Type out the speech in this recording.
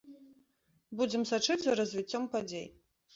Будзем сачыць за развіццём падзей.